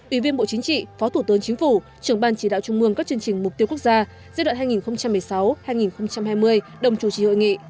ủy viên bộ chính trị phó thủ tướng chính phủ trưởng ban chỉ đạo trung mương các chương trình mục tiêu quốc gia giai đoạn hai nghìn một mươi sáu hai nghìn hai mươi đồng chủ trì hội nghị